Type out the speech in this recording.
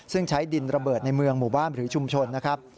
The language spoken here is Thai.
ซึ่งใช้ดินระเบิดในเมืองหมู่บ้านหรือชุมชนนะครับ